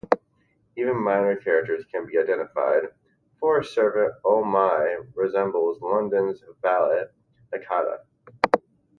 Even minor characters can be identified; Forrest's servant Oh My resembles London's valet Nakata.